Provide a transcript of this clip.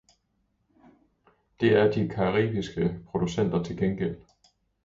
Det er de caribiske producenter til gengæld.